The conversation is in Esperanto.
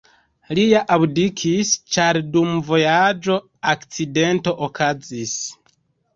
Lia abdikis, ĉar dum vojaĝo akcidento okazis.